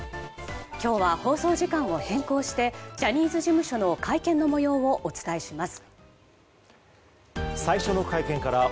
今日は放送時間を変更してジャニーズ事務所の会見の模様をお伝えします。